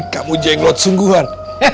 kamu jenglot sungguhan